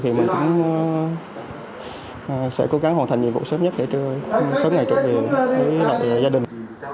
thì mình cũng sẽ cố gắng hoàn thành nhiệm vụ sớm nhất để sớm ngày trụ điện với lại gia đình